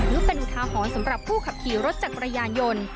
นี่เป็นอุทาหรณ์สำหรับผู้ขับขี่รถจักรยานยนต์